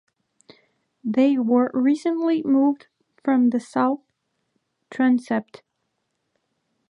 They were recently moved from the South Transept.